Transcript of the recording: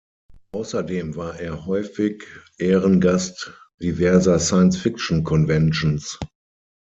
Außerdem war er häufig Ehrengast diverser Science-Fiction-Conventions.